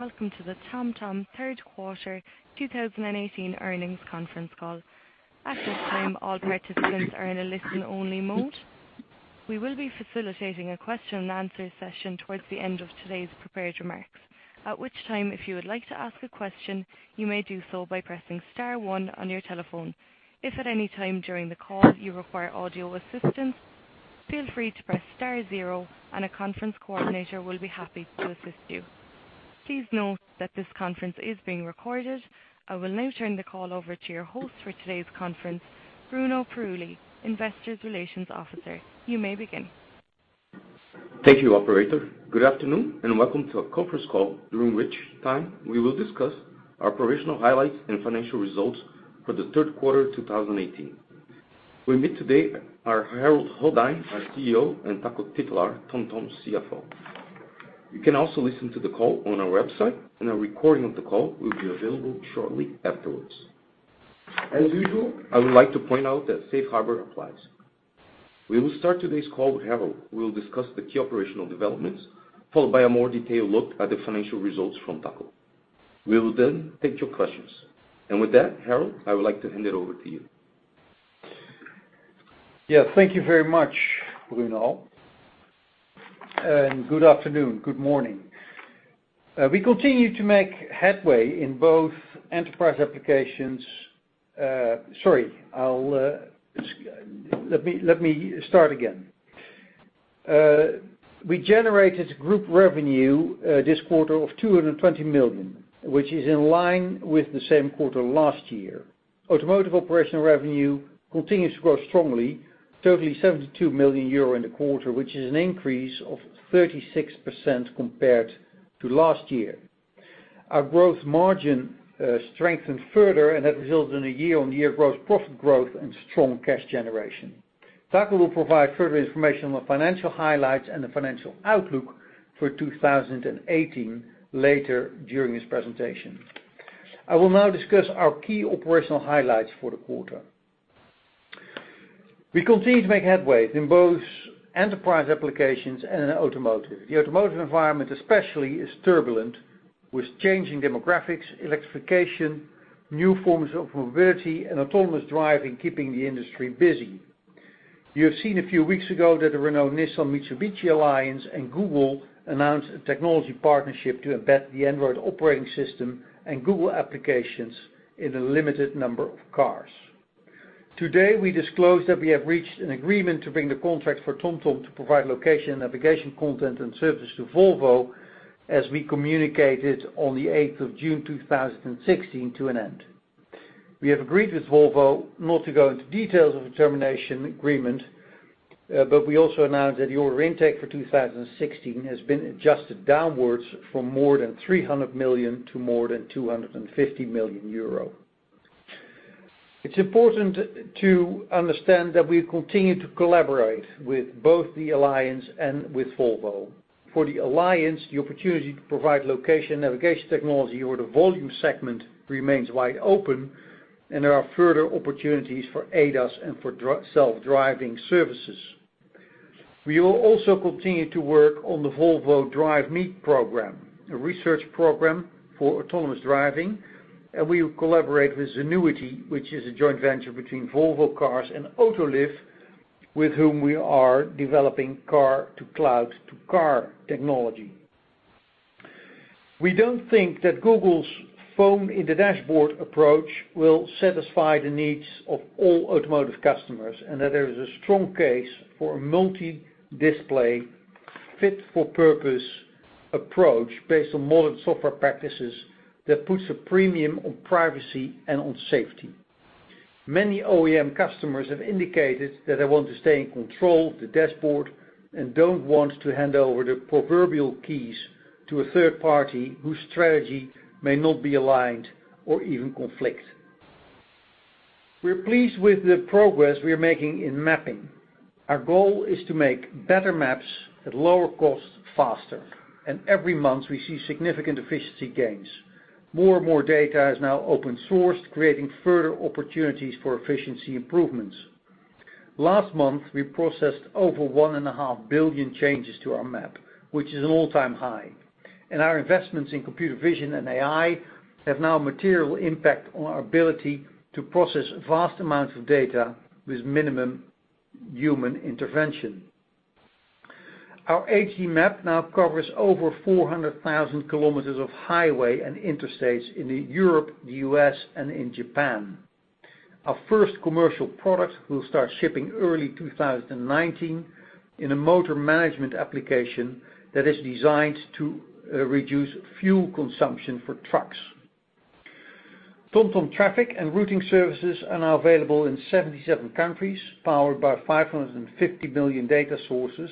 Welcome to the TomTom third quarter 2018 earnings conference call. At this time, all participants are in a listen-only mode. We will be facilitating a question and answer session towards the end of today's prepared remarks, at which time, if you would like to ask a question, you may do so by pressing star one on your telephone. If at any time during the call you require audio assistance, feel free to press star zero and a conference coordinator will be happy to assist you. Please note that this conference is being recorded. I will now turn the call over to your host for today's conference, Claudia Janssen, investors relations officer. You may begin. Thank you, operator. Good afternoon, and welcome to our conference call, during which time we will discuss our operational highlights and financial results for the third quarter 2018. With me today are Harold Goddijn, our CEO, and Taco Titulaer, TomTom's CFO. You can also listen to the call on our website, and a recording of the call will be available shortly afterwards. As usual, I would like to point out that Safe Harbor applies. We will start today's call with Harold, who will discuss the key operational developments, followed by a more detailed look at the financial results from Taco. We will then take your questions. With that, Harold, I would like to hand it over to you. Yeah, thank you very much, Claudia. Good afternoon. Good morning. We continue to make headway in both enterprise applications. We generated group revenue this quarter of 220 million, which is in line with the same quarter last year. Automotive operational revenue continues to grow strongly, totaling €72 million in the quarter, which is an increase of 36% compared to last year. Our growth margin strengthened further, and that resulted in a year-on-year gross profit growth and strong cash generation. Taco will provide further information on the financial highlights and the financial outlook for 2018 later during his presentation. I will now discuss our key operational highlights for the quarter. We continue to make headway in both enterprise applications and in automotive. The automotive environment especially is turbulent, with changing demographics, electrification, new forms of mobility and autonomous driving keeping the industry busy. You have seen a few weeks ago that the Renault-Nissan-Mitsubishi Alliance and Google announced a technology partnership to embed the Android operating system and Google applications in a limited number of cars. Today, we disclose that we have reached an agreement to bring the contract for TomTom to provide location and navigation content and service to Volvo, as we communicated on the 8th of June 2016 to an end. We have agreed with Volvo not to go into details of the termination agreement, but we also announced that the order intake for 2016 has been adjusted downwards from more than 300 million to more than €250 million. It's important to understand that we continue to collaborate with both the alliance and with Volvo. For the alliance, the opportunity to provide location navigation technology for the volume segment remains wide open, and there are further opportunities for ADAS and for self-driving services. We will also continue to work on the Volvo Drive Me program, a research program for autonomous driving, and we will collaborate with Zenuity, which is a joint venture between Volvo Cars and Autoliv, with whom we are developing car-to-cloud-to-car technology. We don't think that Google's phone in the dashboard approach will satisfy the needs of all automotive customers, that there is a strong case for a multi-display, fit-for-purpose approach based on modern software practices that puts a premium on privacy and on safety. Many OEM customers have indicated that they want to stay in control of the dashboard and don't want to hand over the proverbial keys to a third party whose strategy may not be aligned or even conflict. We're pleased with the progress we are making in mapping. Our goal is to make better maps at lower cost faster, every month we see significant efficiency gains. More and more data is now open sourced, creating further opportunities for efficiency improvements. Last month, we processed over one and a half billion changes to our map, which is an all-time high. Our investments in computer vision and AI have now material impact on our ability to process vast amounts of data with minimum human intervention. Our HD map now covers over 400,000 kilometers of highway and interstates in Europe, the U.S., and in Japan. Our first commercial product will start shipping early 2019 in a motor management application that is designed to reduce fuel consumption for trucks. TomTom Traffic and routing services are now available in 77 countries, powered by 550 million data sources,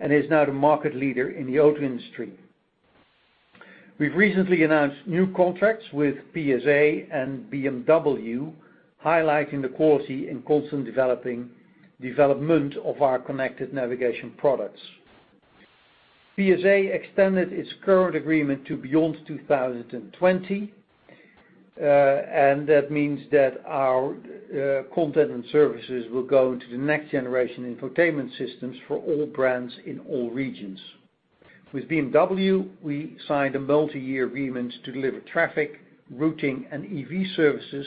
is now the market leader in the auto industry. We've recently announced new contracts with PSA and BMW, highlighting the quality and constant development of our connected navigation products. PSA extended its current agreement to beyond 2020. That means that our content and services will go into the next generation infotainment systems for all brands in all regions. With BMW, we signed a multi-year agreement to deliver traffic, routing, and EV services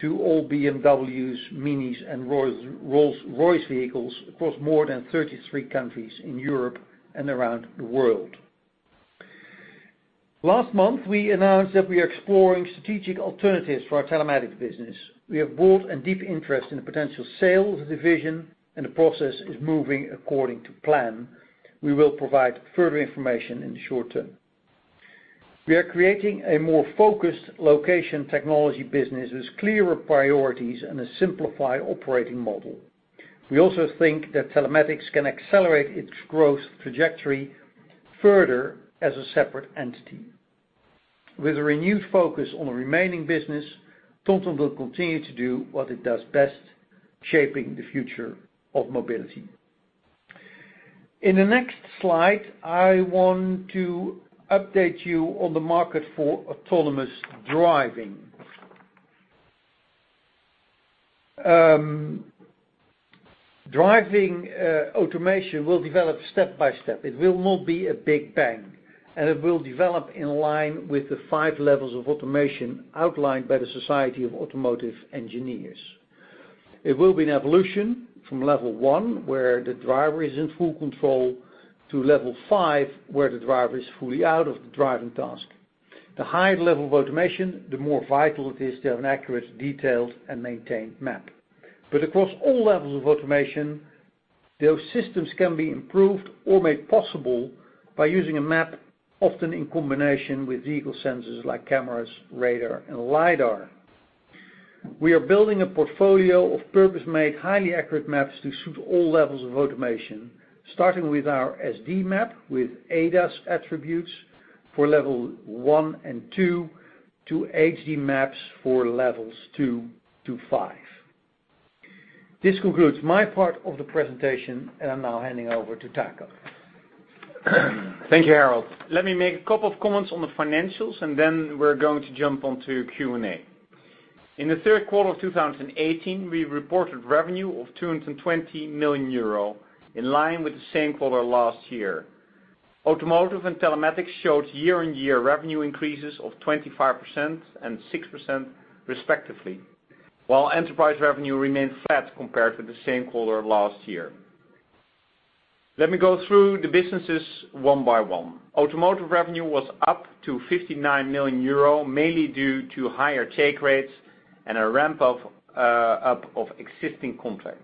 to all BMWs, MINIs, and Rolls-Royce vehicles across more than 33 countries in Europe and around the world. Last month, we announced that we are exploring strategic alternatives for our telematics business. We have broad and deep interest in the potential sales division, the process is moving according to plan. We will provide further information in the short term. We are creating a more focused location technology business with clearer priorities and a simplified operating model. We also think that telematics can accelerate its growth trajectory further as a separate entity. With a renewed focus on the remaining business, TomTom will continue to do what it does best, shaping the future of mobility. In the next slide, I want to update you on the market for autonomous driving. Driving automation will develop step by step. It will not be a big bang, it will develop in line with the 5 levels of automation outlined by the Society of Automotive Engineers. It will be an evolution from level 1, where the driver is in full control, to level 5, where the driver is fully out of the driving task. The higher the level of automation, the more vital it is to have an accurate, detailed, and maintained map. Across all levels of automation, those systems can be improved or made possible by using a map, often in combination with vehicle sensors like cameras, radar, and lidar. We are building a portfolio of purpose-made, highly accurate maps to suit all levels of automation, starting with our SD map with ADAS attributes for level 1 and 2, to HD maps for levels 2 to 5. This concludes my part of the presentation, and I'm now handing over to Taco. Thank you, Harold. Let me make a couple of comments on the financials. Then we're going to jump onto Q&A. In the third quarter of 2018, we reported revenue of 220 million euro, in line with the same quarter last year. Automotive and telematics showed year-over-year revenue increases of 25% and 6% respectively, while enterprise revenue remained flat compared to the same quarter last year. Let me go through the businesses one by one. Automotive revenue was up to 59 million euro, mainly due to higher take rates and a ramp-up of existing contracts.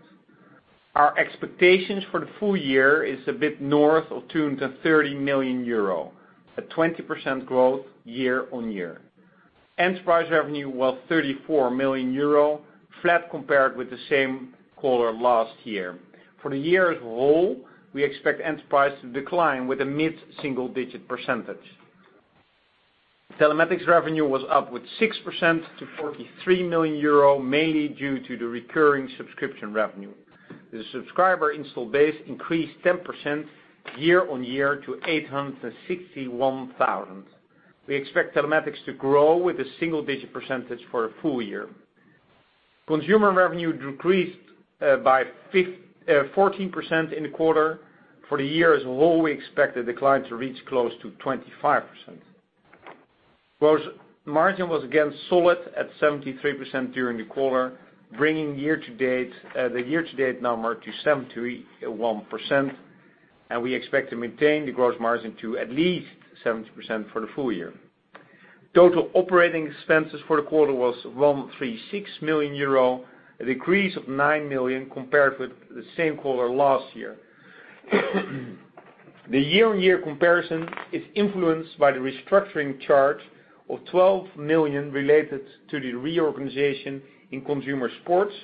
Our expectations for the full year is a bit north of 230 million euro, a 20% growth year-over-year. Enterprise revenue was 34 million euro, flat compared with the same quarter last year. For the year as a whole, we expect enterprise to decline with a mid-single digit percentage. Telematics revenue was up with 6% to 43 million euro, mainly due to the recurring subscription revenue. The subscriber install base increased 10% year-over-year to 861,000. We expect telematics to grow with a single-digit percentage for a full year. Consumer revenue decreased by 14% in the quarter. For the year as a whole, we expect the decline to reach close to 25%. Gross margin was again solid at 73% during the quarter, bringing the year-to-date number to 71%, and we expect to maintain the gross margin to at least 70% for the full year. Total operating expenses for the quarter was 136 million euro, a decrease of 9 million compared with the same quarter last year. The year-over-year comparison is influenced by the restructuring charge of 12 million related to the reorganization in consumer sports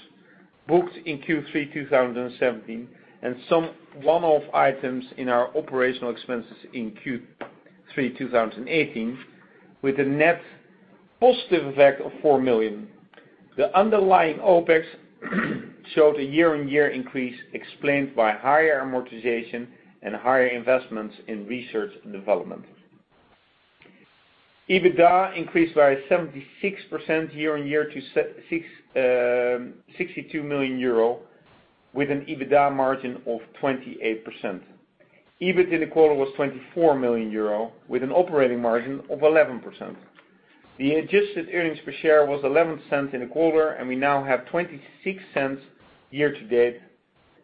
booked in Q3 2017, and some one-off items in our operational expenses in Q3 2018, with a net positive effect of 4 million. The underlying OpEx showed a year-over-year increase explained by higher amortization and higher investments in research and development. EBITDA increased by 76% year-over-year to 62 million euro with an EBITDA margin of 28%. EBIT in the quarter was 24 million euro with an operating margin of 11%. The adjusted earnings per share was 0.11 in the quarter, and we now have 0.26 year to date,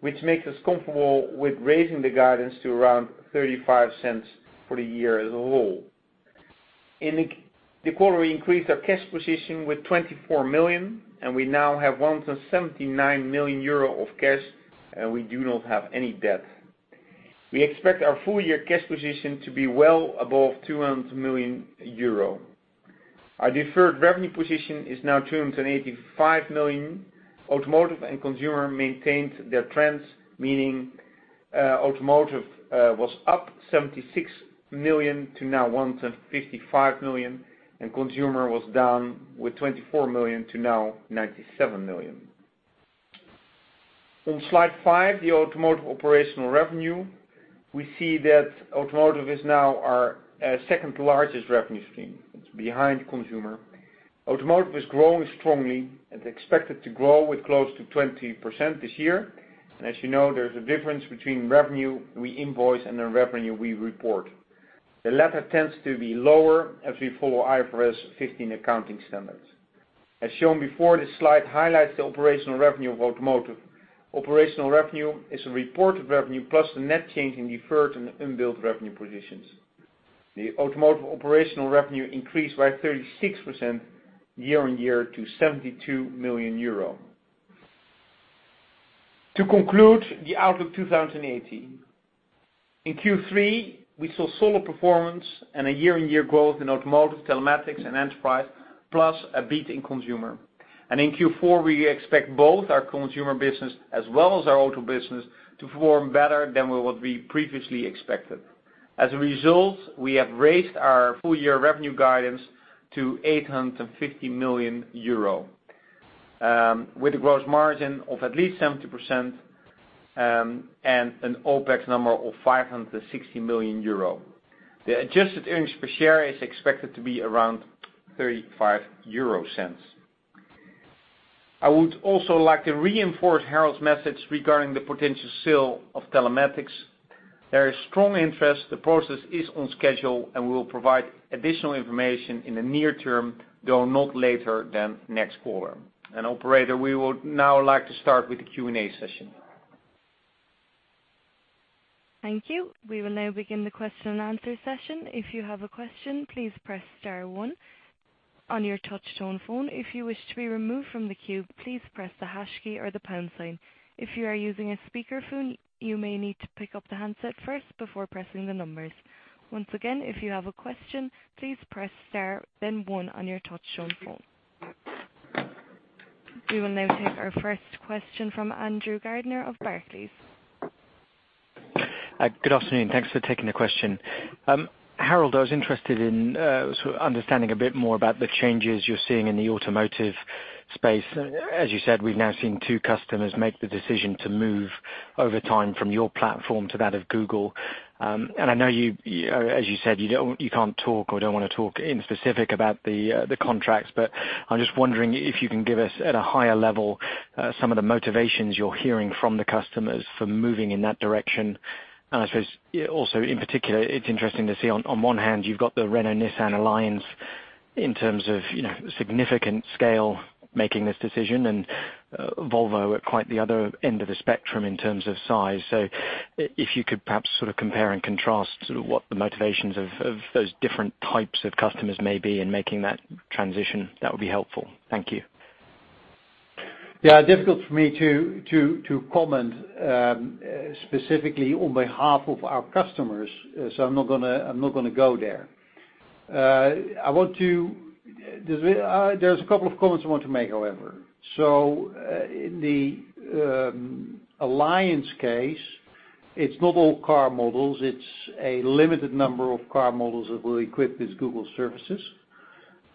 which makes us comfortable with raising the guidance to around 0.35 for the year as a whole. In the quarter, we increased our cash position with 24 million, and we now have 179 million euro of cash, and we do not have any debt. We expect our full year cash position to be well above 200 million euro. Our deferred revenue position is now 285 million. Automotive and consumer maintained their trends, meaning automotive was up 76 million to now 155 million, and consumer was down with 24 million to now 97 million. On slide five, the automotive operational revenue. We see that automotive is now our second largest revenue stream. It is behind consumer. Automotive is growing strongly and expected to grow with close to 20% this year. As you know, there is a difference between revenue we invoice and the revenue we report. The latter tends to be lower as we follow IFRS 15 accounting standards. As shown before, this slide highlights the operational revenue of automotive. Operational revenue is the reported revenue plus the net change in deferred and unbilled revenue positions. The automotive operational revenue increased by 36% year-on-year to 72 million euro. To conclude the outlook 2018. In Q3, we saw solid performance and a year-on-year growth in automotive, Telematics, and enterprise, plus a beat in consumer. In Q4, we expect both our consumer business as well as our auto business to perform better than what we previously expected. As a result, we have raised our full year revenue guidance to 850 million euro, with a gross margin of at least 70% and an OpEx number of 560 million euro. The adjusted earnings per share is expected to be around 0.35. I would also like to reinforce Harold's message regarding the potential sale of Telematics. There is strong interest, the process is on schedule, and we will provide additional information in the near term, though not later than next quarter. Operator, we would now like to start with the Q&A session. Thank you. We will now begin the question-and-answer session. If you have a question, please press star one on your touchtone phone. If you wish to be removed from the queue, please press the hash key or the pound sign. If you are using a speakerphone, you may need to pick up the handset first before pressing the numbers. Once again, if you have a question, please press star then one on your touchtone phone. We will now take our first question from Andrew Gardiner of Barclays. Good afternoon. Thanks for taking the question. Harold, I was interested in understanding a bit more about the changes you're seeing in the automotive space. As you said, we've now seen two customers make the decision to move over time from your platform to that of Google. I know, as you said, you can't talk or don't want to talk in specific about the contracts. I'm just wondering if you can give us, at a higher level, some of the motivations you're hearing from the customers for moving in that direction. I suppose also, in particular, it's interesting to see on one hand, you've got the Renault-Nissan Alliance in terms of significant scale making this decision, and Volvo at quite the other end of the spectrum in terms of size. If you could perhaps compare and contrast what the motivations of those different types of customers may be in making that transition, that would be helpful. Thank you. Difficult for me to comment specifically on behalf of our customers, I'm not going to go there. There's a couple of comments I want to make, however. In the Alliance case, it's not all car models. It's a limited number of car models that will equip with Google services.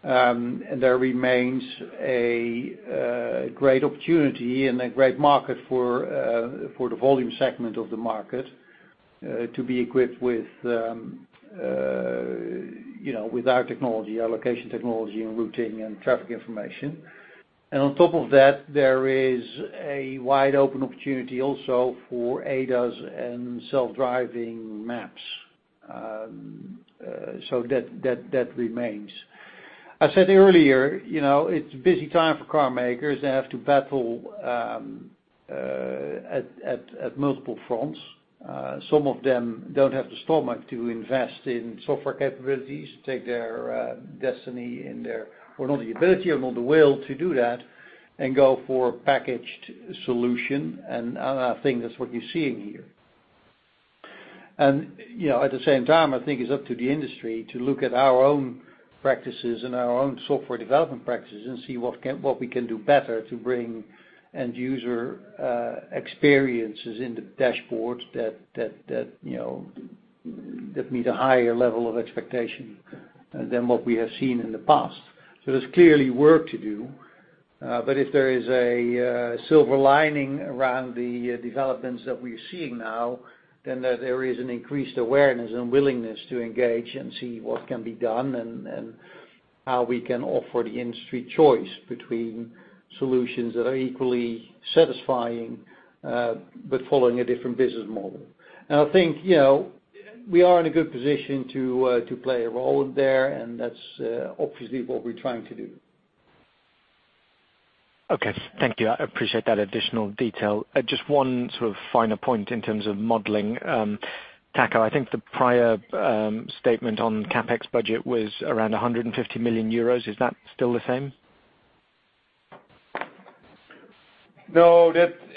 There remains a great opportunity and a great market for the volume segment of the market to be equipped with our technology, our location technology in routing and traffic information. On top of that, there is a wide open opportunity also for ADAS and self-driving maps. That remains. I said earlier, it's a busy time for car makers. They have to battle at multiple fronts. Some of them don't have the stomach to invest in software capabilities, take their destiny or not the ability or not the will to do that and go for a packaged solution. I think that's what you're seeing here. At the same time, I think it's up to the industry to look at our own practices and our own software development practices and see what we can do better to bring end user experiences in the dashboard that meet a higher level of expectation than what we have seen in the past. There's clearly work to do. If there is a silver lining around the developments that we're seeing now, then there is an increased awareness and willingness to engage and see what can be done and how we can offer the industry choice between solutions that are equally satisfying, but following a different business model. I think we are in a good position to play a role there, and that's obviously what we're trying to do. Okay. Thank you. I appreciate that additional detail. Just one finer point in terms of modeling. Taco, I think the prior statement on CapEx budget was around 150 million euros. Is that still the same? No.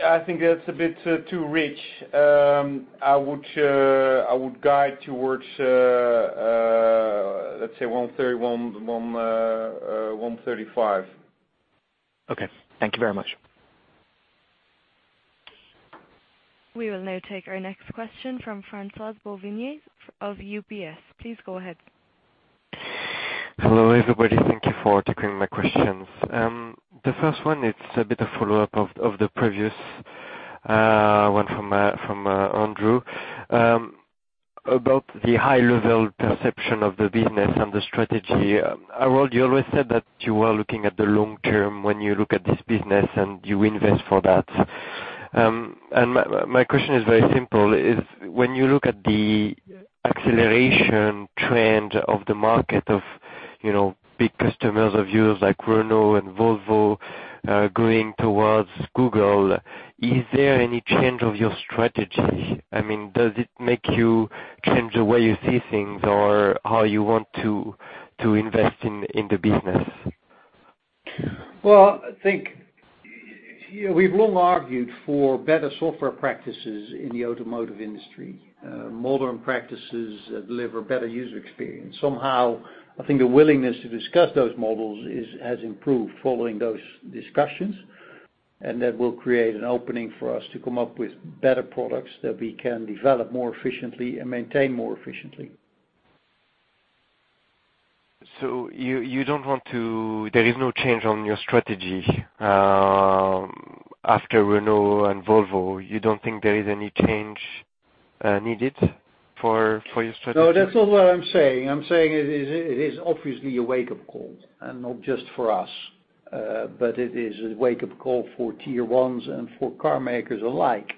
I think that's a bit too rich. I would guide towards, let's say, 135. Okay. Thank you very much. We will now take our next question from François Bouvigny of UBS. Please go ahead. Hello, everybody. Thank you for taking my questions. The first one, it's a bit of follow-up of the previous one from Andrew. About the high-level perception of the business and the strategy. Harold, you always said that you were looking at the long term when you look at this business, and you invest for that. My question is very simple, when you look at the acceleration trend of the market of big customers of yours like Renault and Volvo, going towards Google, is there any change of your strategy? Does it make you change the way you see things or how you want to invest in the business? Well, I think we've long argued for better software practices in the automotive industry. Modern practices that deliver better user experience. Somehow, I think a willingness to discuss those models has improved following those discussions, and that will create an opening for us to come up with better products that we can develop more efficiently and maintain more efficiently. There is no change on your strategy after Renault and Volvo? You don't think there is any change needed for your strategy? No, that's not what I'm saying. I'm saying it is obviously a wake-up call, and not just for us. It is a wake-up call for tier 1s and for car makers alike.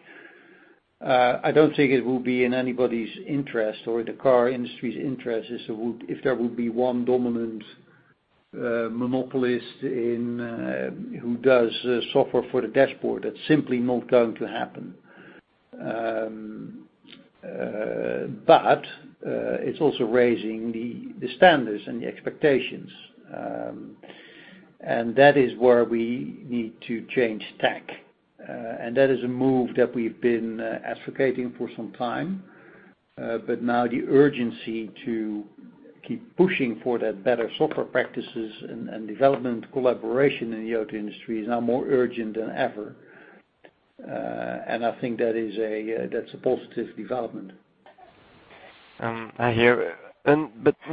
I don't think it will be in anybody's interest or the car industry's interest, if there will be one dominant monopolist who does software for the dashboard. That's simply not going to happen. It's also raising the standards and the expectations. That is where we need to change tack. That is a move that we've been advocating for some time. Now the urgency to keep pushing for that better software practices and development collaboration in the auto industry is now more urgent than ever. I think that's a positive development. I hear.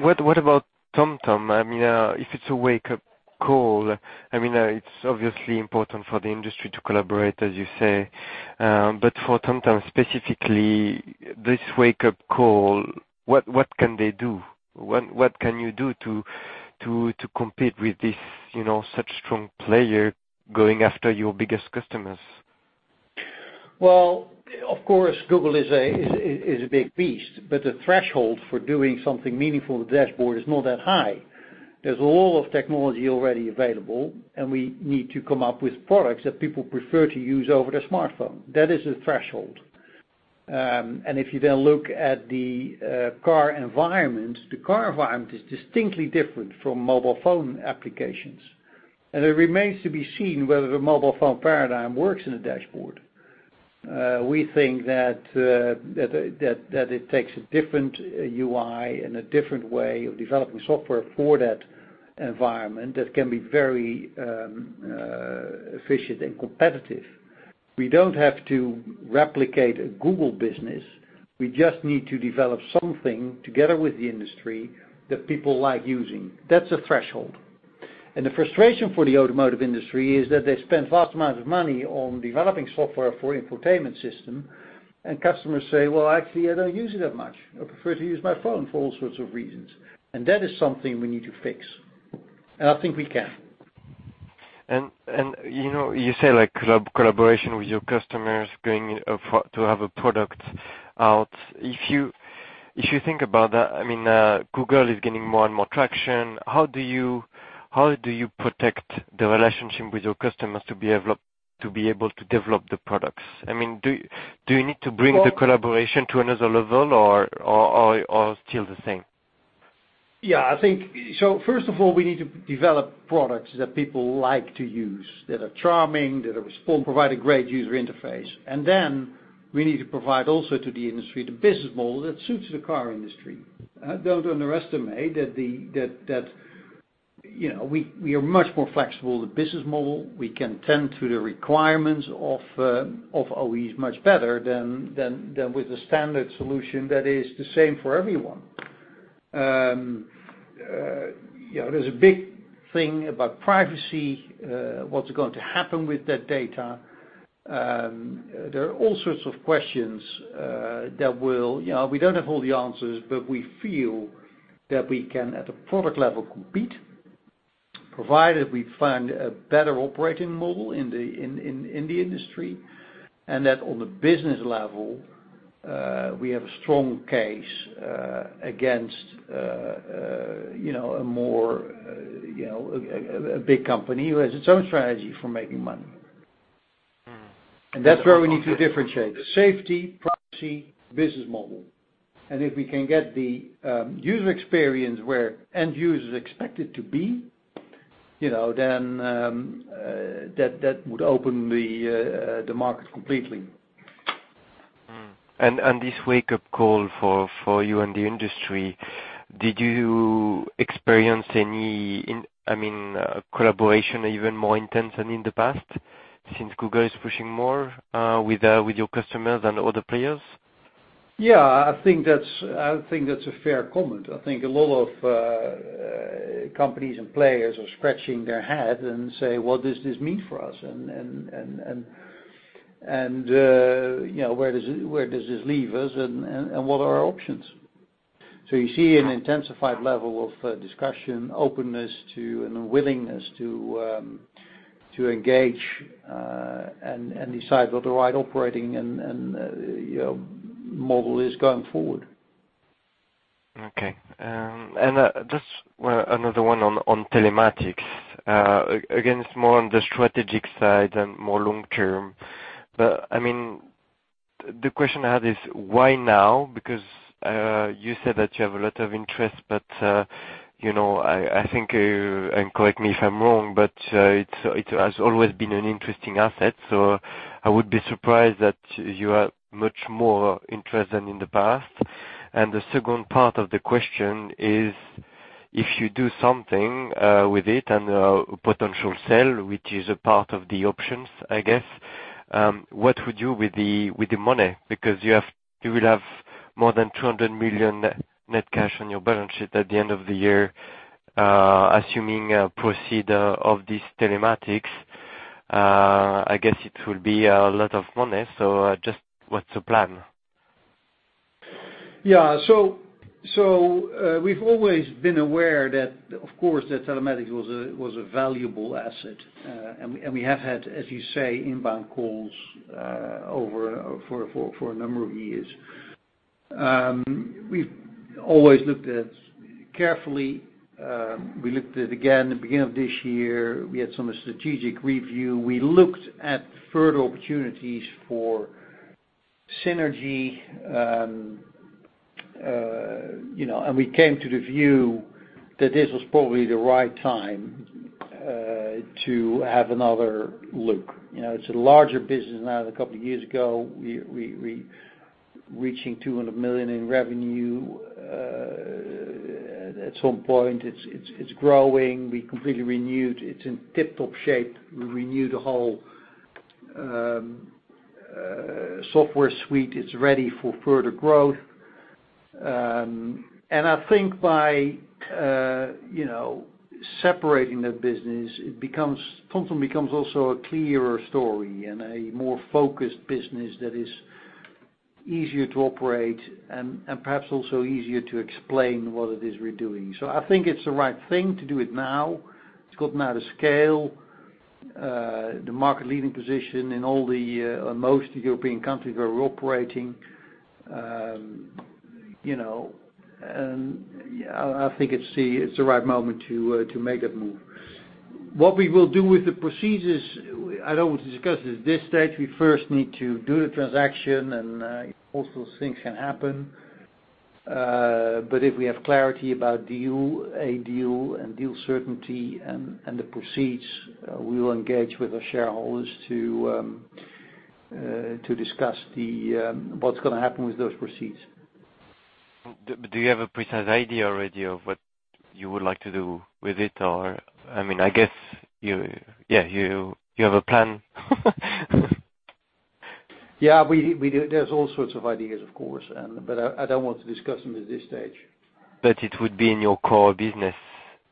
What about TomTom? If it's a wake-up call, it's obviously important for the industry to collaborate, as you say. For TomTom specifically, this wake-up call, what can they do? What can you do to compete with such strong player going after your biggest customers? Well, of course, Google is a big beast, but the threshold for doing something meaningful with the dashboard is not that high. There's a lot of technology already available. We need to come up with products that people prefer to use over their smartphone. That is the threshold. If you then look at the car environment, the car environment is distinctly different from mobile phone applications. It remains to be seen whether the mobile phone paradigm works in a dashboard. We think that it takes a different UI and a different way of developing software for that environment that can be very efficient and competitive. We don't have to replicate a Google business. We just need to develop something together with the industry that people like using. That's the threshold. The frustration for the automotive industry is that they spend vast amounts of money on developing software for infotainment system, and customers say, "Well, actually, I don't use it that much. I prefer to use my phone for all sorts of reasons." That is something we need to fix. I think we can. You say collaboration with your customers going to have a product out. If you think about that, Google is gaining more and more traction. How do you protect the relationship with your customers to be able to develop the products? Do you need to bring the collaboration to another level or still the same? Yeah. First of all, we need to develop products that people like to use, that are charming, that are responsive, provide a great user interface. Then we need to provide also to the industry, the business model that suits the car industry. Don't underestimate that we are much more flexible with the business model. We can tend to the requirements of OEMs much better than with a standard solution that is the same for everyone. There's a big thing about privacy, what's going to happen with that data. There are all sorts of questions. We don't have all the answers, we feel that we can, at a product level, compete, provided we find a better operating model in the industry, and that on the business level, we have a strong case against a big company who has its own strategy for making money. That's where we need to differentiate. Safety, privacy, business model. If we can get the user experience where end users expect it to be, then that would open the market completely. Mm. This wake-up call for you and the industry, did you experience any collaboration even more intense than in the past, since Google is pushing more, with your customers and other players? Yeah, I think that's a fair comment. I think a lot of companies and players are scratching their head and say, "What does this mean for us? And where does this leave us, and what are our options?" You see an intensified level of discussion, openness to, and a willingness to engage, and decide what the right operating and model is going forward. Okay. Just another one on telematics. Again, it's more on the strategic side and more long term. The question I had is why now? Because you said that you have a lot of interest, but I think, and correct me if I'm wrong, but it has always been an interesting asset, so I would be surprised that you are much more interested than in the past. The second part of the question is, if you do something with it and a potential sale, which is a part of the options, I guess, what would you with the money? Because you will have more than 200 million net cash on your balance sheet at the end of the year, assuming proceed of this telematics. I guess it will be a lot of money. Just what's the plan? Yeah. We've always been aware that, of course, that telematics was a valuable asset. We have had, as you say, inbound calls for a number of years. We've always looked at carefully. We looked at it again the beginning of this year. We had some strategic review. We looked at further opportunities for synergy, and we came to the view that this was probably the right time to have another look. It's a larger business now than a couple of years ago. We reaching 200 million in revenue, at some point. It's growing. We completely renewed. It's in tiptop shape. We renewed the whole software suite. It's ready for further growth. I think by separating that business, TomTom becomes also a clearer story and a more focused business that is easier to operate and perhaps also easier to explain what it is we're doing. I think it's the right thing to do it now. It's got now the scale, the market-leading position in most European countries where we're operating. I think it's the right moment to make that move. What we will do with the proceeds, I don't want to discuss it at this stage. We first need to do the transaction, and all sorts of things can happen. If we have clarity about a deal and deal certainty and the proceeds, we will engage with our shareholders to discuss what's going to happen with those proceeds. Do you have a precise idea already of what you would like to do with it? I guess you have a plan. Yeah, there's all sorts of ideas, of course, but I don't want to discuss them at this stage. It would be in your core business,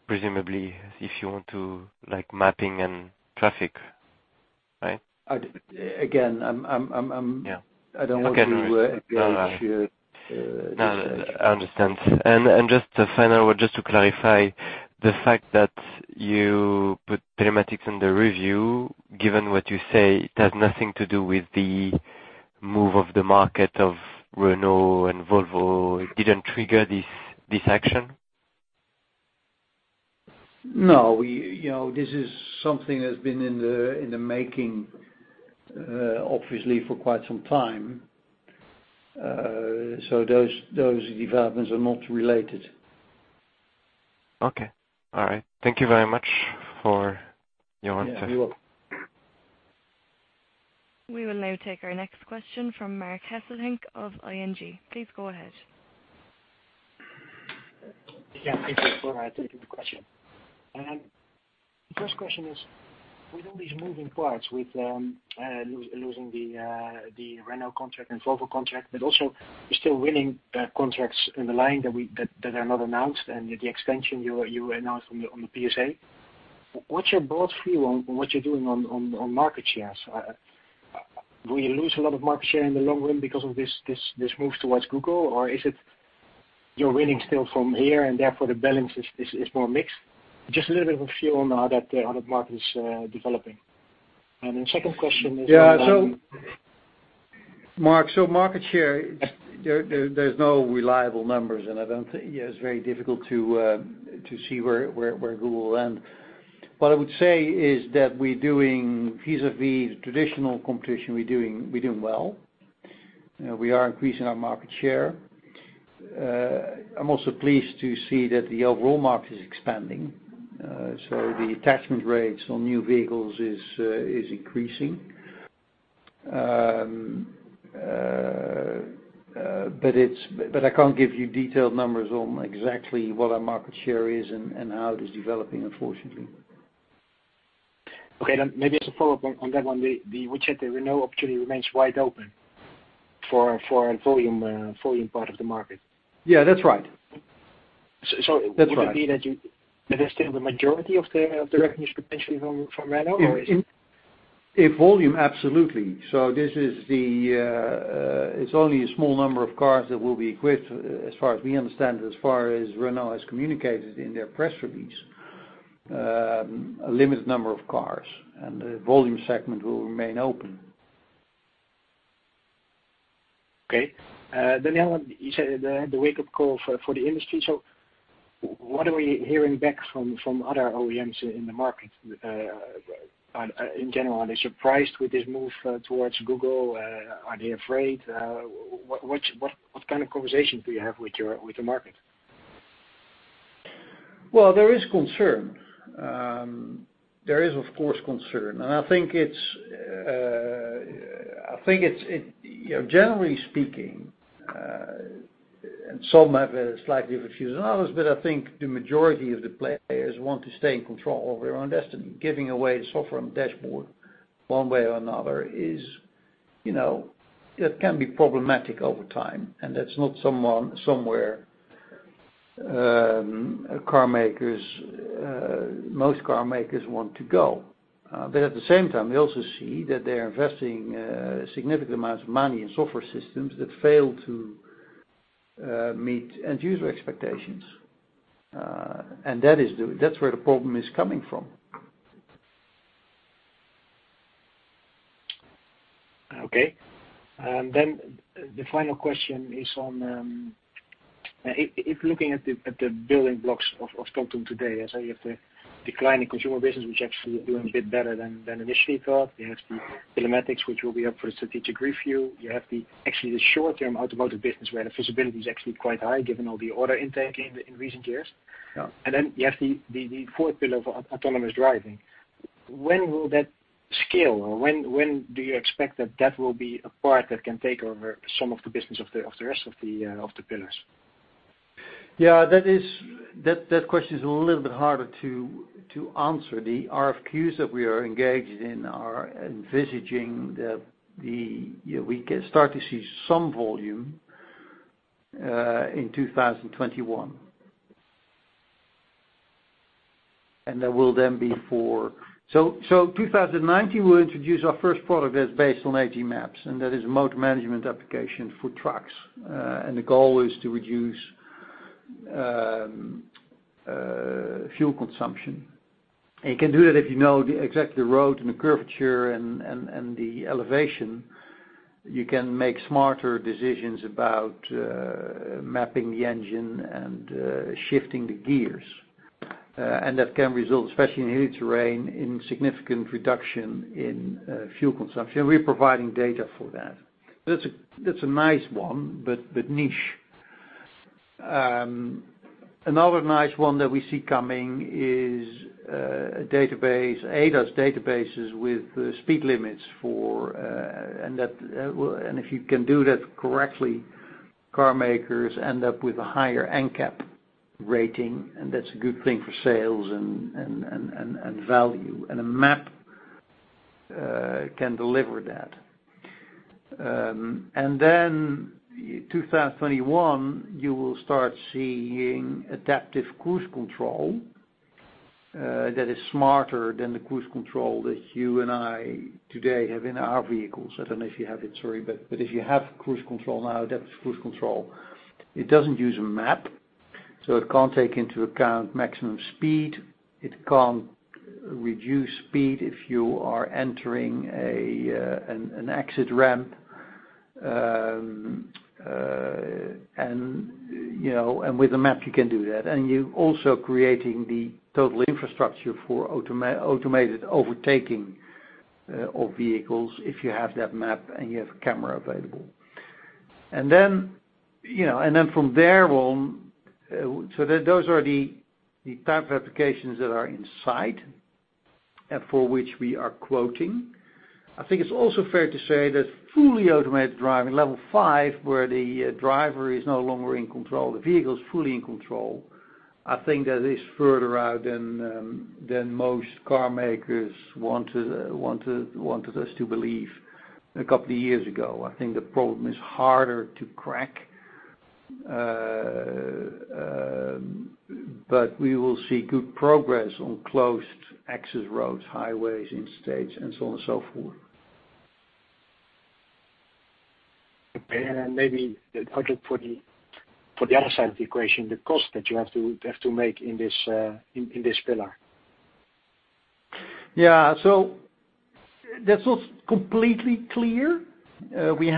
presumably, if you want to, like, mapping and traffic, right? Again. Yeah I don't want to engage here. No, I understand. Just a final word, just to clarify the fact that you put telematics in the review, given what you say, it has nothing to do with the move of the market of Renault and Volvo. It didn't trigger this action? No, this is something that's been in the making, obviously, for quite some time. Those developments are not related. Okay. All right. Thank you very much for your time. Yeah, you're welcome. We will now take our next question from Marc Hesselink of ING. Please go ahead. Yeah, thank you. Sorry, I take the question. The first question is, with all these moving parts, with losing the Renault contract and Volvo contract, but also you're still winning contracts in the line that are not announced and the extension you announced on the PSA. What's your broad view on what you're doing on market shares? Do you lose a lot of market share in the long run because of this move towards Google, or is it you're winning still from here, and therefore, the balance is more mixed? Just a little bit of a feel on how that market is developing. The second question is on- Yeah. Marc, market share, there's no reliable numbers, and it's very difficult to see where Google will end. What I would say is that we're doing vis-à-vis the traditional competition, we're doing well. We are increasing our market share. I'm also pleased to see that the overall market is expanding. The attachment rates on new vehicles is increasing. I can't give you detailed numbers on exactly what our market share is and how it is developing, unfortunately. Maybe as a follow-up on that one, the WeChat-Renault opportunity remains wide open for a volume part of the market? Yeah, that's right. Would it be that That is still the majority of the revenue potentially from Renault or is it? In volume, absolutely. It's only a small number of cars that will be equipped, as far as we understand, as far as Renault has communicated in their press release, a limited number of cars, and the volume segment will remain open. Okay. Daniël, you said the wake-up call for the industry. What are we hearing back from other OEMs in the market, in general? Are they surprised with this move towards Google? Are they afraid? What kind of conversations do you have with the market? Well, there is concern. There is, of course, concern. I think, generally speaking, and some have slightly different views than others, but I think the majority of the players want to stay in control of their own destiny. Giving away the software and dashboard one way or another, it can be problematic over time, and that's not somewhere most car makers want to go. At the same time, we also see that they're investing significant amounts of money in software systems that fail to meet end user expectations. That's where the problem is coming from. Okay. The final question is on, if looking at the building blocks of TomTom today, as you have the decline in consumer business, which actually is doing a bit better than initially thought. You have the telematics, which will be up for strategic review. You have actually the short-term automotive business, where the visibility is actually quite high given all the order intake in recent years. Yeah. You have the fourth pillar of autonomous driving. When will that scale, or when do you expect that that will be a part that can take over some of the business of the rest of the pillars? That question is a little bit harder to answer. The RFQs that we are engaged in are envisaging that we can start to see some volume in 2021. That will then be for. 2019, we'll introduce our first product that's based on HD Maps, and that is a motor management application for trucks. The goal is to reduce fuel consumption. You can do that if you know exactly the road and the curvature and the elevation. You can make smarter decisions about mapping the engine and shifting the gears. That can result, especially in hilly terrain, in significant reduction in fuel consumption. We're providing data for that. That's a nice one, but niche. Another nice one that we see coming is ADAS databases with speed limits for. If you can do that correctly, car makers end up with a higher NCAP rating, and that's a good thing for sales and value. A map can deliver that. 2021, you will start seeing adaptive cruise control that is smarter than the cruise control that you and I today have in our vehicles. I don't know if you have it, sorry, but if you have cruise control now, adaptive cruise control, it doesn't use a map, so it can't take into account maximum speed. It can't reduce speed if you are entering an exit ramp, and with a map, you can do that. You're also creating the total infrastructure for automated overtaking of vehicles if you have that map and you have a camera available. Those are the type of applications that are in sight and for which we are quoting. I think it's also fair to say that fully automated driving, level 5, where the driver is no longer in control, the vehicle is fully in control, I think that is further out than most car makers wanted us to believe a couple of years ago. I think the problem is harder to crack. We will see good progress on closed access roads, highways, interstates, and so on and so forth. Maybe the other point for the other side of the equation, the cost that you have to make in this pillar. Yeah. That's not completely clear. When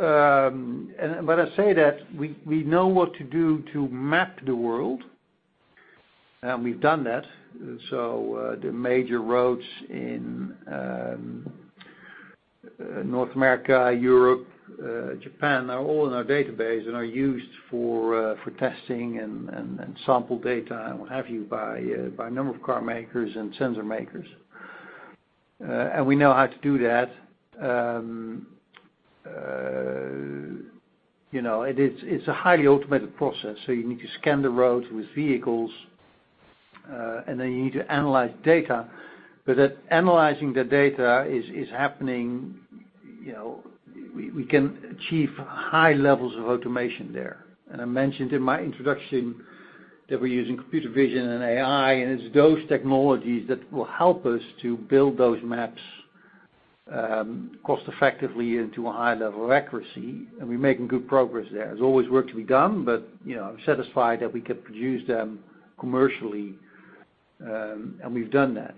I say that, we know what to do to map the world, and we've done that. The major roads in North America, Europe, Japan, are all in our database and are used for testing and sample data and what have you by a number of car makers and sensor makers. We know how to do that. It's a highly automated process, so you need to scan the roads with vehicles, and then you need to analyze data. Analyzing the data is happening, we can achieve high levels of automation there. I mentioned in my introduction that we're using computer vision and AI, and it's those technologies that will help us to build those maps cost effectively into a high level of accuracy. We're making good progress there. There's always work to be done, but I'm satisfied that we can produce them commercially, and we've done that.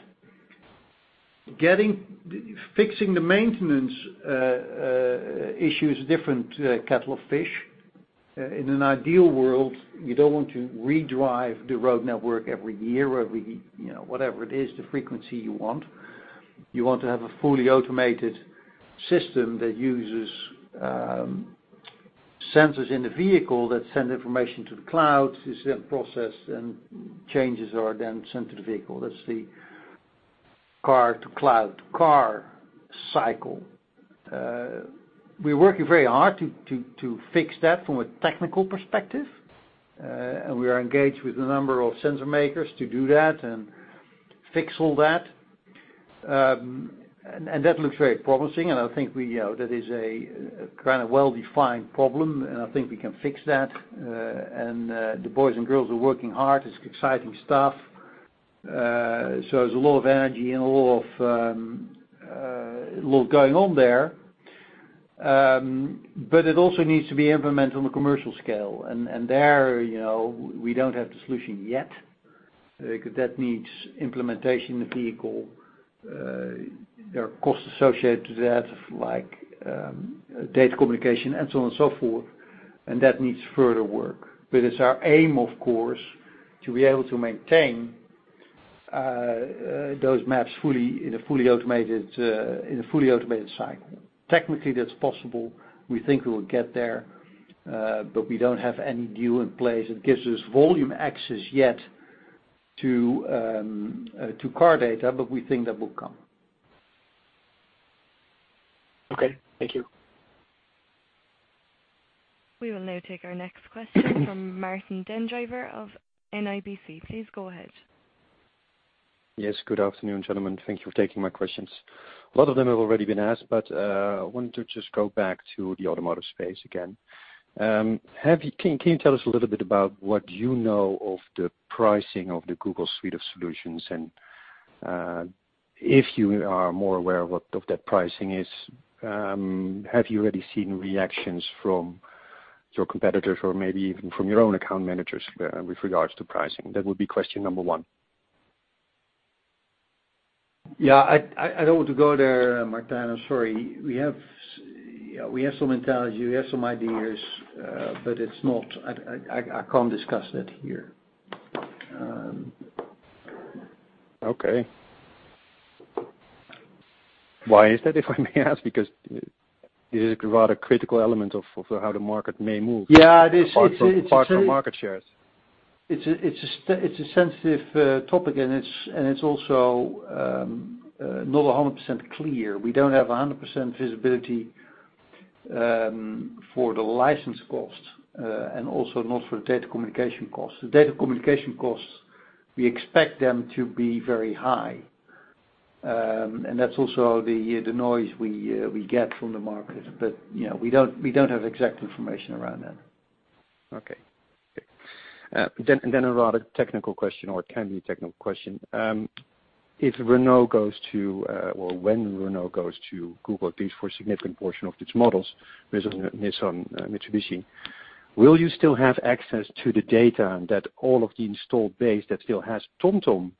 Fixing the maintenance issue is a different kettle of fish. In an ideal world, you don't want to redrive the road network every year or every whatever it is, the frequency you want. You want to have a fully automated system that uses sensors in the vehicle that send information to the cloud, it's then processed, and changes are then sent to the vehicle. That's the car to cloud to car cycle. We're working very hard to fix that from a technical perspective. We are engaged with a number of sensor makers to do that and fix all that. That looks very promising, and I think that is a kind of well-defined problem, and I think we can fix that. The boys and girls are working hard. It's exciting stuff. There's a lot of energy and a lot going on there. It also needs to be implemented on the commercial scale. There, we don't have the solution yet. Because that needs implementation in the vehicle. There are costs associated to that, like data communication and so on and so forth. That needs further work. It's our aim, of course, to be able to maintain those maps in a fully automated cycle. Technically, that's possible. We think we will get there, but we don't have any deal in place that gives us volume access yet to car data, but we think that will come. Okay. Thank you. We will now take our next question from Martijn den Drijver of NIBC. Please go ahead. Yes, good afternoon, gentlemen. Thank you for taking my questions. A lot of them have already been asked, but I wanted to just go back to the automotive space again. Can you tell us a little bit about what you know of the pricing of the Google suite of solutions and if you are more aware of what that pricing is, have you already seen reactions from your competitors or maybe even from your own account managers with regards to pricing? That would be question number one. Yeah. I don't want to go there, Martijn, I'm sorry. We have some intelligence, we have some ideas, but I can't discuss that here. Okay. Why is that, if I may ask? Because it is a rather critical element of how the market may move. Yeah. Apart from market shares. It's a sensitive topic, it's also not 100% clear. We don't have 100% visibility for the license costs, also not for data communication costs. The data communication costs, we expect them to be very high. That's also the noise we get from the market. We don't have exact information around that. Okay. Then a rather technical question, or it can be a technical question. If Renault goes to, or when Renault goes to Google, at least for a significant portion of its models, Nissan, Mitsubishi, will you still have access to the data that all of the installed base that still has TomTom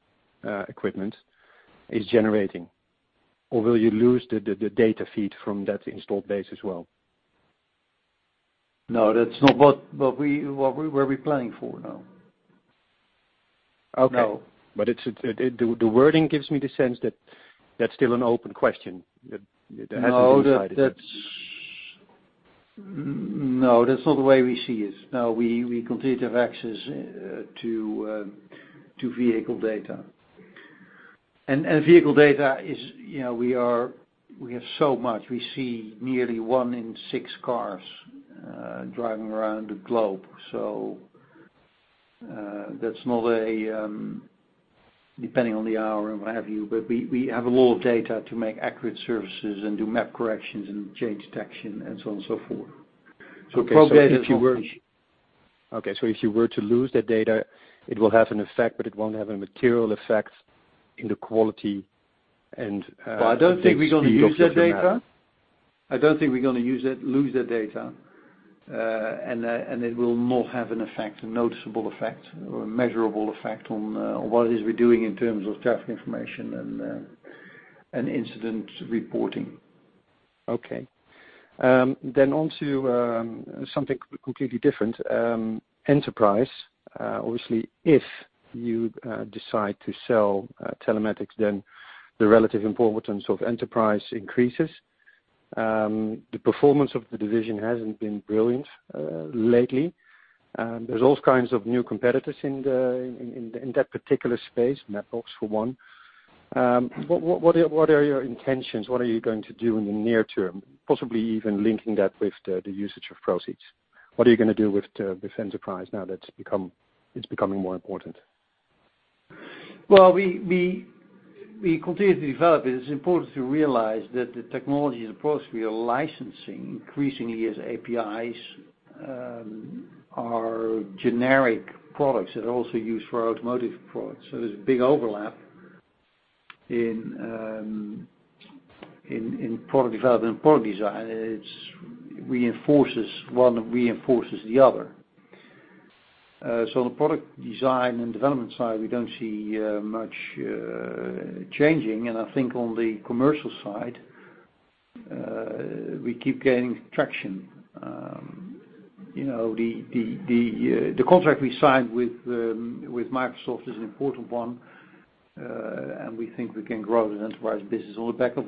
equipment is generating? Or will you lose the data feed from that installed base as well? No, that's not what we're planning for, no. Okay. No. The wording gives me the sense that that's still an open question, that it hasn't been decided. No, that's not the way we see it. No, we continue to have access to vehicle data. Vehicle data is, we have so much. We see nearly one in six cars driving around the globe. That's not a, depending on the hour and what have you, but we have a lot of data to make accurate services and do map corrections and change detection and so on and so forth. Okay. If you were to lose that data, it will have an effect, but it won't have a material effect in the quality and. Well, I don't think we're going to lose that data. I don't think we're going to lose that data. It will not have an effect, a noticeable effect or a measurable effect on what it is we're doing in terms of traffic information and incident reporting. Okay. On to something completely different. Enterprise. Obviously, if you decide to sell telematics, then the relative importance of enterprise increases. The performance of the division hasn't been brilliant lately. There's all kinds of new competitors in that particular space, Mapbox for one. What are your intentions? What are you going to do in the near term, possibly even linking that with the usage of proceeds? What are you going to do with this enterprise now that it's becoming more important? Well, we continue to develop it. It's important to realize that the technologies and products we are licensing increasingly as APIs are generic products that are also used for automotive products. There's a big overlap in product development and product design. One reinforces the other. On the product design and development side, we don't see much changing. I think on the commercial side, we keep gaining traction. The contract we signed with Microsoft is an important one, and we think we can grow the enterprise business on the back of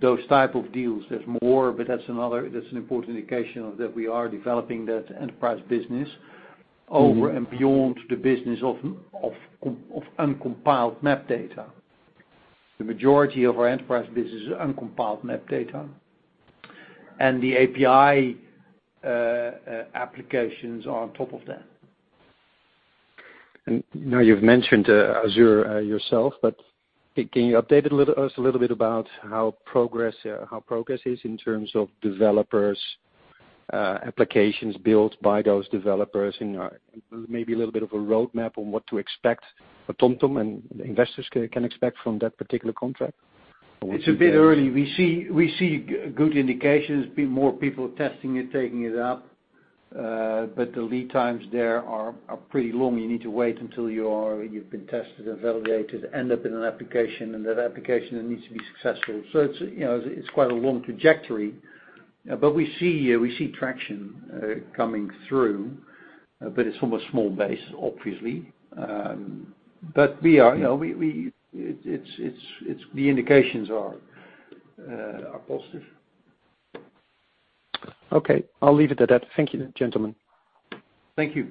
those type of deals. There's more, but that's an important indication that we are developing that enterprise business over and beyond the business of uncompiled map data. The majority of our enterprise business is uncompiled map data, and the API applications are on top of that. Now you've mentioned Azure yourself, but can you update us a little bit about how progress is in terms of developers, applications built by those developers, and maybe a little bit of a roadmap on what to expect, what TomTom and investors can expect from that particular contract? It's a bit early. We see good indications, more people testing it, taking it up. The lead times there are pretty long. You need to wait until you've been tested and validated, end up in an application, and that application then needs to be successful. It's quite a long trajectory. We see traction coming through. It's from a small base, obviously. The indications are positive. Okay. I'll leave it at that. Thank you, gentlemen. Thank you.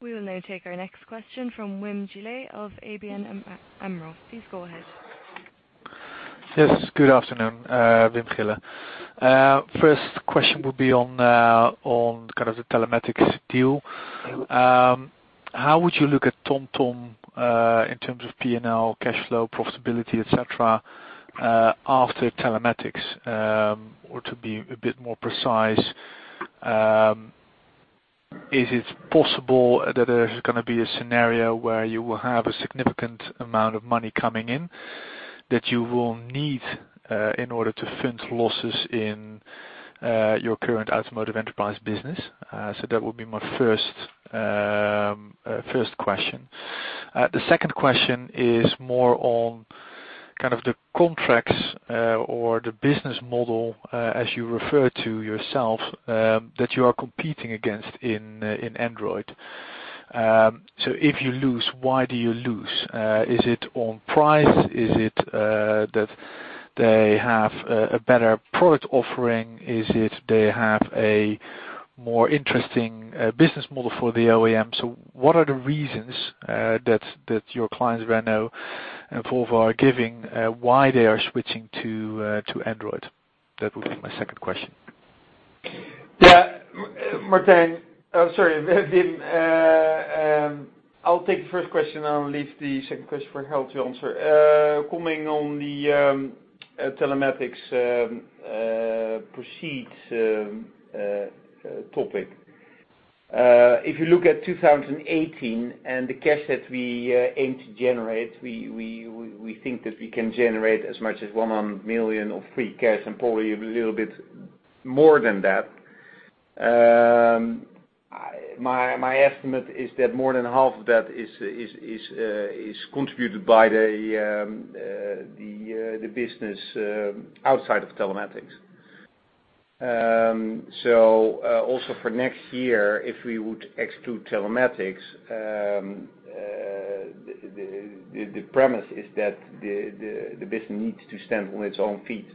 We will now take our next question from Wim Gillet of ABN AMRO. Please go ahead. Yes, good afternoon. Wim Gillet. First question will be on kind of the telematics deal. How would you look at TomTom, in terms of P&L, cash flow, profitability, et cetera, after telematics? To be a bit more precise, is it possible that there is going to be a scenario where you will have a significant amount of money coming in that you will need in order to fund losses in your current automotive enterprise business? That would be my first question. The second question is more on kind of the contracts or the business model, as you refer to yourself, that you are competing against in Android. If you lose, why do you lose? Is it on price? Is it that they have a better product offering? Is it they have a more interesting business model for the OEM? What are the reasons that your clients Renault and Volvo are giving why they are switching to Android? That would be my second question. Yeah. Martijn. Sorry, Wim. I'll take the first question and leave the second question for Harold to answer. Coming on the telematics proceeds topic. If you look at 2018 and the cash that we aim to generate, we think that we can generate as much as 100 million of free cash and probably a little bit more than that. My estimate is that more than half of that is contributed by the business outside of telematics. Also for next year, if we would exclude telematics, the premise is that the business needs to stand on its own feet.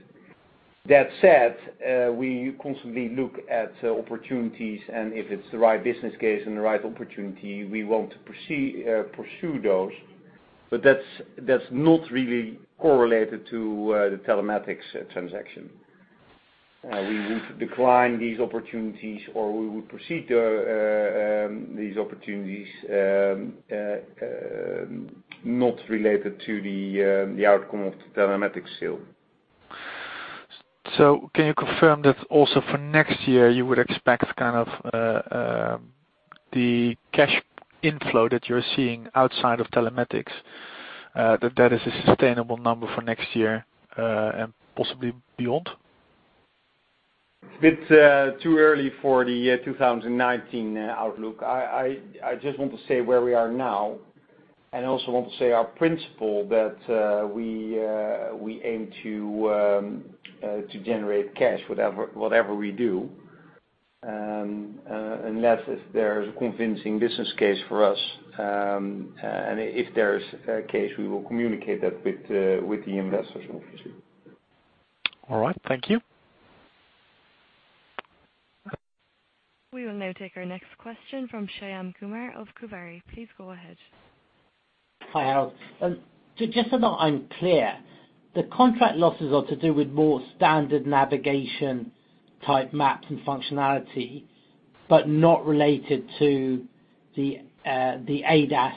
That said, we constantly look at opportunities, and if it's the right business case and the right opportunity, we want to pursue those. That's not really correlated to the telematics transaction. We would decline these opportunities, or we would proceed these opportunities, not related to the outcome of the telematics sale. Can you confirm that also for next year, you would expect kind of the cash inflow that you're seeing outside of telematics, that that is a sustainable number for next year, and possibly beyond? It's a bit too early for the 2019 outlook. I just want to say where we are now, and I also want to say our principle that we aim to generate cash, whatever we do, unless if there's a convincing business case for us, and if there is a case, we will communicate that with the investors, obviously. All right. Thank you. We will now take our next question from Shyam Kumar of Kuvari. Please go ahead. Hi, Harold. Just so that I'm clear, the contract losses are to do with more standard navigation type maps and functionality, but not related to the ADAS,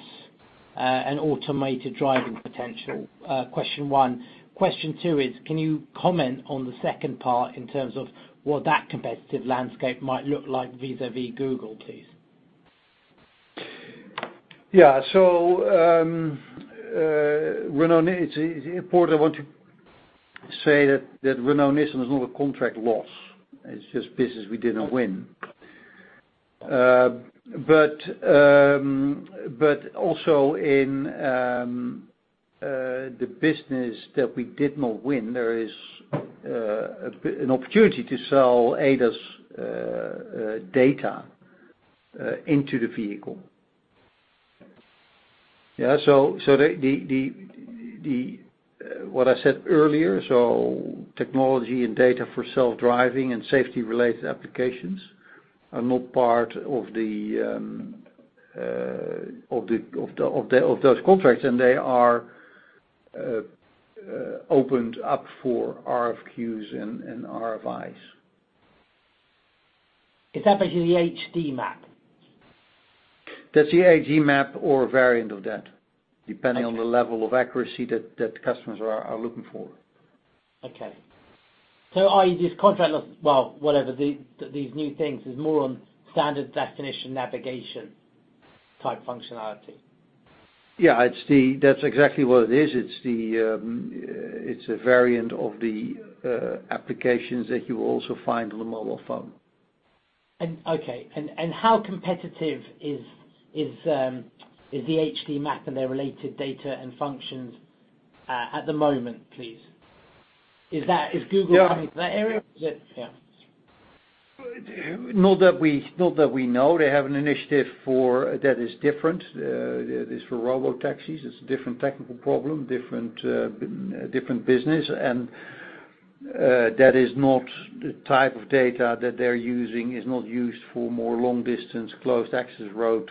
and automated driving potential? Question one. Question two is, can you comment on the second part in terms of what that competitive landscape might look like vis-a-vis Google, please? It is important, I want to say that Renault Nissan is not a contract loss. It is just business we did not win. Okay. Also in the business that we did not win, there is an opportunity to sell ADAS data into the vehicle. What I said earlier, technology and data for self-driving and safety related applications are not part of those contracts, and they are opened up for RFQs and RFIs. Is that basically the HD Map? That is the HD Map or a variant of that. Okay depending on the level of accuracy that customers are looking for. Okay. i.e., this contract, well, whatever these new things is more on standard definition navigation type functionality. Yeah, that's exactly what it is. It's a variant of the applications that you will also find on the mobile phone. Okay. How competitive is the HD Map and their related data and functions at the moment, please? Is Google Yeah coming to that area? Yeah. Not that we know. They have an initiative that is different. It is for robo-taxis. It's a different technical problem, different business. That is not the type of data that they're using, is not used for more long distance closed access road,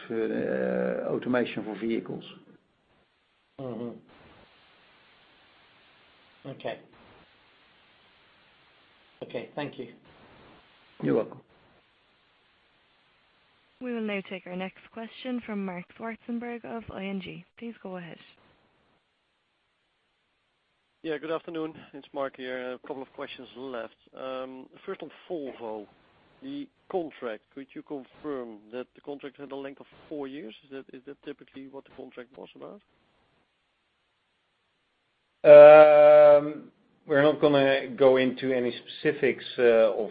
automation for vehicles. Okay. Okay. Thank you. You're welcome. We will now take our next question from Marc Schraven of ING. Please go ahead. Good afternoon. It's Marc here, a couple of questions left. First on Volvo. The contract, could you confirm that the contract had a length of four years? Is that typically what the contract was about? We're not going to go into any specifics of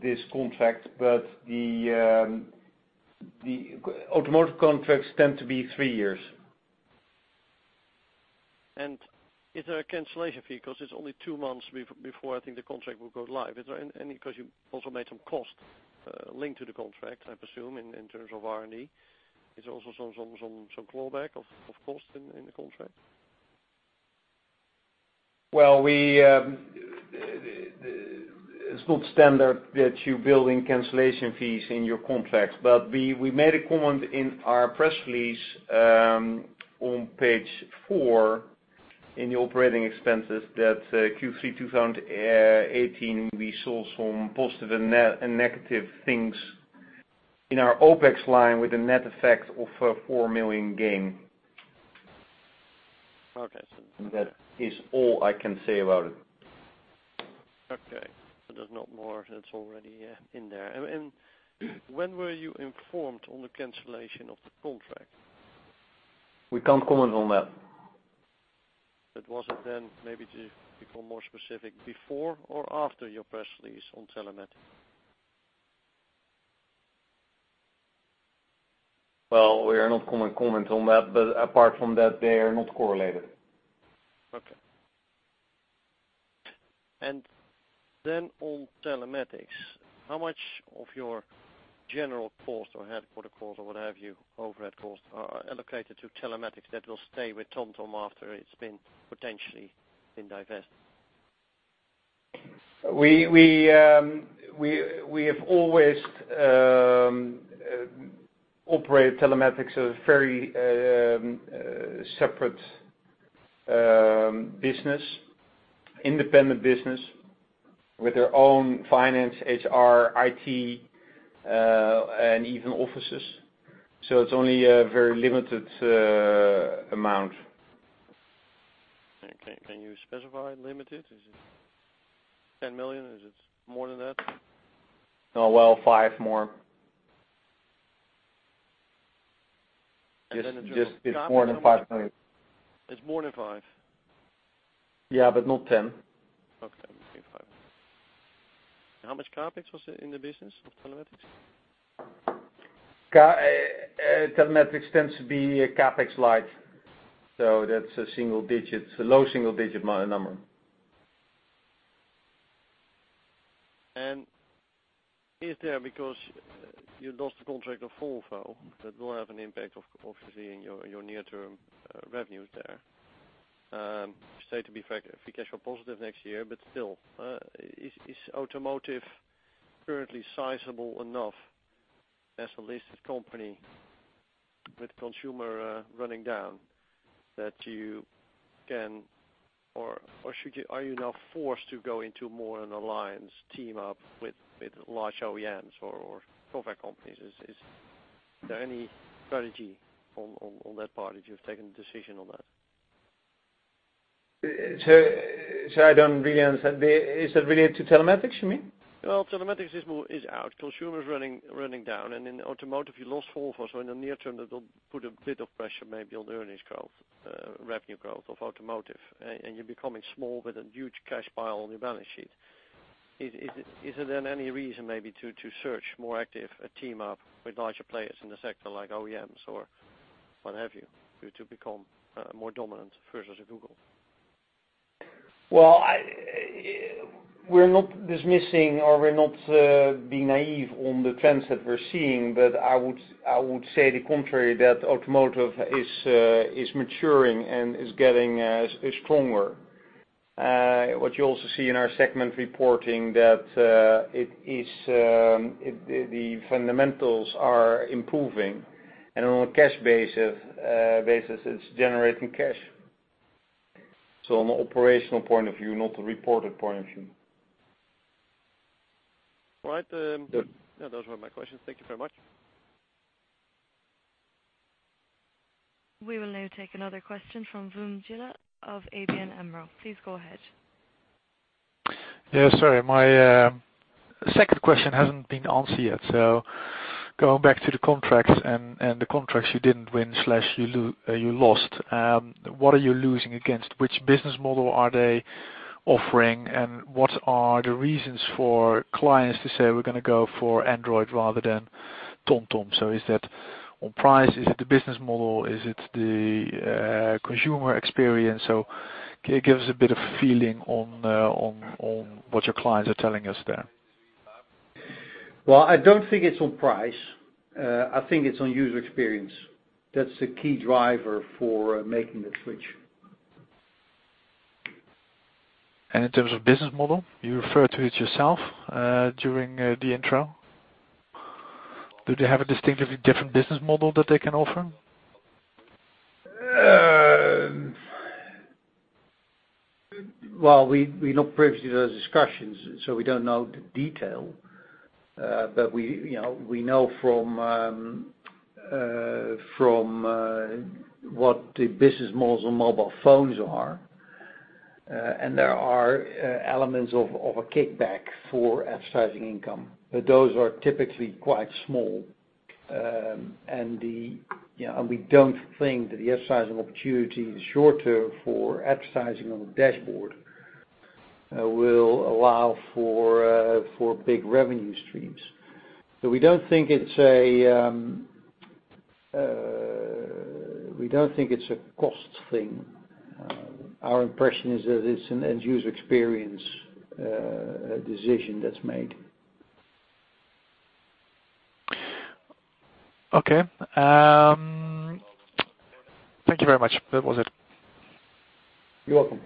this contract, but the automotive contracts tend to be three years. Is there a cancellation fee? Because it's only two months before I think the contract will go live. You also made some cost linked to the contract, I presume, in terms of R&D. Is also some clawback of cost in the contract? Well, it's not standard that you build in cancellation fees in your contracts. We made a comment in our press release, on page four in the operating expenses that Q3 2018, we saw some positive and negative things in our OpEx line with a net effect of a 4 million gain. Okay. That is all I can say about it. Okay. There's not more that's already in there. When were you informed on the cancellation of the contract? We can't comment on that. Was it then, maybe to become more specific, before or after your press release on telematics? We are not going to comment on that, but apart from that, they are not correlated. On telematics, how much of your general cost or headquarter cost or what have you, overhead costs are allocated to telematics that will stay with TomTom after it's been potentially been divested? We have always operated telematics as a very separate business, independent business with their own finance, HR, IT, and even offices. It's only a very limited amount. Okay. Can you specify limited? Is it 10 million? Is it more than that? No, well, five more. And then the- Just it's more than five million. It's more than five? Yeah, not 10. Okay. Maybe five. How much CapEx was in the business of telematics? Telematics tends to be CapEx light. That's a low single-digit number. Is there, because You lost the contract of Volvo. That will have an impact, obviously, on your near-term revenues there. You state to be free cash flow positive next year, but still, is Automotive currently sizable enough as a listed company with consumer running down that you can, or are you now forced to go into more an alliance team up with large OEMs or contract companies? Is there any strategy on that part? Have you taken a decision on that? Sorry, I don't really understand. Is that related to telematics, you mean? Well, telematics is out. Consumer is running down, and in Automotive, you lost Volvo, so in the near term, it'll put a bit of pressure maybe on the earnings growth, revenue growth of Automotive. You're becoming small with a huge cash pile on your balance sheet. Is there then any reason maybe to search more active, a team up with larger players in the sector, like OEMs or what have you, to become more dominant versus Google? Well, we're not dismissing or we're not being naive on the trends that we're seeing. I would say the contrary, that Automotive is maturing and is getting stronger. What you also see in our segment reporting that the fundamentals are improving, and on a cash basis, it's generating cash. On an operational point of view, not a reported point of view. All right. Those were my questions. Thank you very much. We will now take another question from Wim Gillet of ABN AMRO. Please go ahead. Sorry, my second question hasn't been answered yet. Going back to the contracts and the contracts you didn't win/you lost, what are you losing against? Which business model are they offering? And what are the reasons for clients to say, "We're going to go for Android rather than TomTom?" Is that on price? Is it the business model? Is it the consumer experience? Give us a bit of a feeling on what your clients are telling us there. Well, I don't think it's on price. I think it's on user experience. That's the key driver for making the switch. In terms of business model, you referred to it yourself during the intro. Do they have a distinctively different business model that they can offer? Well, we're not privy to those discussions, so we don't know the detail. We know from what the business models on mobile phones are, and there are elements of a kickback for advertising income, but those are typically quite small. We don't think that the advertising opportunity in the short term for advertising on the dashboard will allow for big revenue streams. We don't think it's a cost thing. Our impression is that it's an end-user experience decision that's made. Okay. Thank you very much. That was it. You're welcome.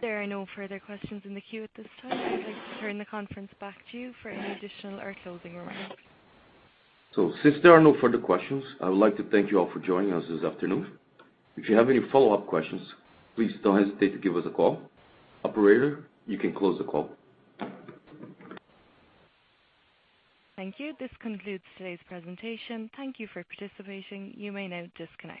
There are no further questions in the queue at this time. I'd like to turn the conference back to you for any additional or closing remarks. Since there are no further questions, I would like to thank you all for joining us this afternoon. If you have any follow-up questions, please don't hesitate to give us a call. Operator, you can close the call. Thank you. This concludes today's presentation. Thank you for participating. You may now disconnect.